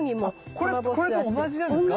あこれこれと同じなんですか？